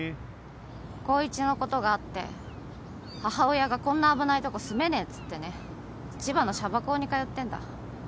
光一のことがあって母親がこんな危ないとこ住めねえっつってね千葉のシャバ校に通ってんだ。